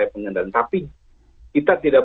pengendalian tapi kita tidak